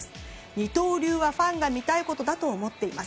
二刀流はファンが見たいことだと思っています。